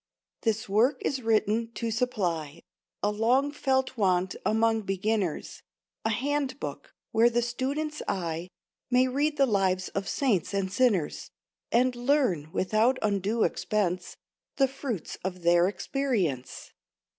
This work is written to supply A long felt want among Beginners; A handbook where the student's eye May read the lives of saints and sinners, And learn, without undue expense, The fruits of their experience.